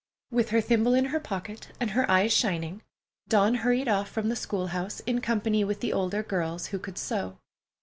With her thimble in her pocket and her eyes shining, Dawn hurried off from the school house in company with the older girls who could sew.